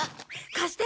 貸して！